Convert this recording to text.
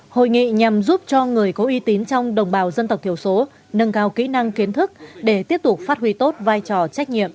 hội nghị nhằm giúp cho người có uy tín trong đồng bào dân tộc thiểu số nâng cao kỹ năng kiến thức để tiếp tục phát huy tốt vai trò trách nhiệm